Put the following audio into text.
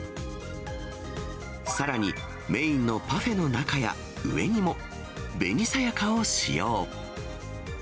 さらに、メインのパフェの中や上にも、紅さやかを使用。